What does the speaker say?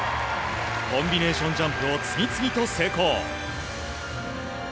コンビネーションジャンプを次々と成功。